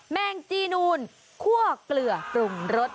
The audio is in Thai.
แมงจีนูนคั่วเกลือปรุงรส